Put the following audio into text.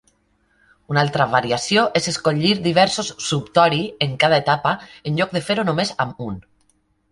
Un altra variació és escollir diversos "subtori" en cada etapa en lloc de fer-ho només amb un.